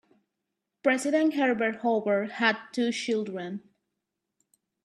President Herbert Hoover had two children.